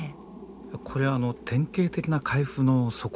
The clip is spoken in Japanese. これ典型的な海釜の底ですね。